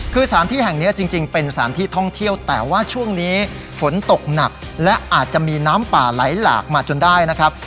คือสถานที่แห่งนี้จริงเป็นสถานที่ท่องเที่ยวแต่ว่าช่วงนี้ฝนตกหนักและอาจจะมีน้ำป่าไหลหลากมาจนได้นะครับ